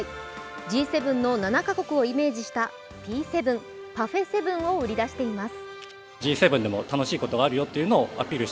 Ｇ７の７か国をイメージしたＰ７＝パフェ・セブンを売り出しています。